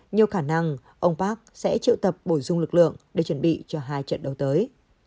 nhiều khả năng ông park sẽ triệu tập bổ sung lực lượng để chuẩn bị cho hai trận đấu tới